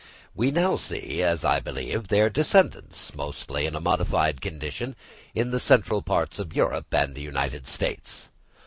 We now see, as I believe, their descendants, mostly in a modified condition, in the central parts of Europe and the United States.